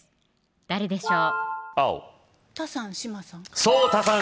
誰でしょう